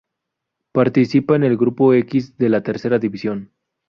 Participa en el "grupo X" de la Tercera División.